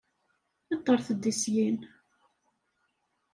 Aṭret-d syin!